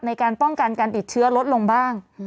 ในการป้องกันการติดเชื้อลดลงบ้าง